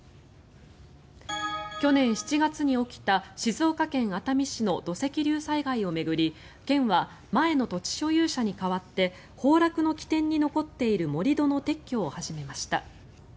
去年７月に起きた静岡県熱海市の土石流災害を巡り県は前の土地所有者に代わって崩落の起点に残っている盛り土の撤去を始めました。